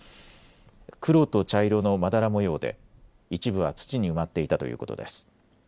黒と茶色のまだら模様で一部は土に埋まっていたということです。